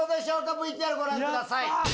ＶＴＲご覧ください。